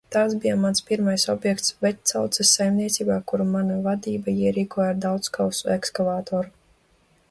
Tāds bija mans pirmais objekts Vecauces saimniecībā, kuru manā vadībā ierīkoja ar daudzkausu ekskavatoru.